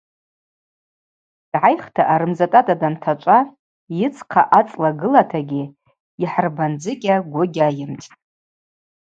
Дгӏайхта арымдзатӏатӏа дантачӏва йыдзхъа ацӏла гылатагьи йхӏырбандзыкӏьа гвы гьайымттӏ.